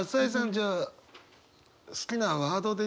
じゃあ好きなワードで言うと？